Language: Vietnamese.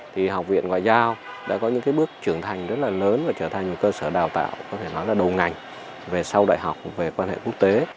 thì học viện ngoại giao đã có những bước trưởng thành rất là lớn và trở thành một cơ sở đào tạo có thể nói là đầu ngành về sau đại học về quan hệ quốc tế